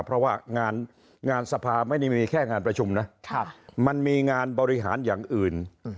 เพราะว่างานสภาไม่ได้มีแค่งานประชุมนะมันมีงานบริหารอย่างอื่น